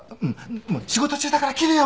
仕事中だから切るよ